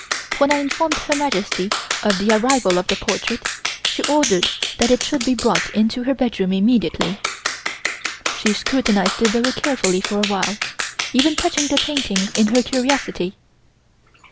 When I informed Her Majesty of the arrival of the portrait she ordered that it should be brought into her bedroom immediately. She scrutinized it very carefully for a while, even touching the painting in her curiosity.